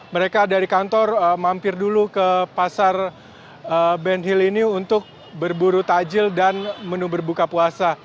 mereka dari kantor mampir dulu ke pasar ben hill ini untuk berburu tajil dan menu berbuka puasa